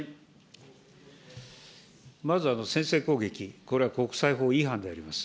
まず、先制攻撃、これは国際法違反であります。